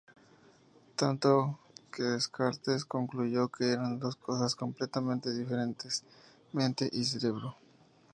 Tanto que Descartes concluyó que eran dos cosas completamente diferentes: mente y cerebro.